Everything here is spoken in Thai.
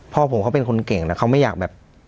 พ่อผมเขาเป็นคนเก่งแล้วเขาไม่อยากแบบ